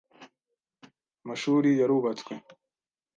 Amashuri yarubatswe.